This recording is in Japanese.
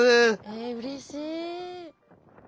えうれしい。